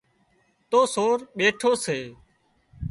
تو سور ٻيٺو سي